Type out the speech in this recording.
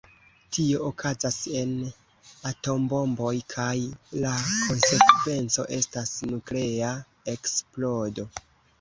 Tio okazas en atombomboj kaj la konsekvenco estas nuklea eksplodo.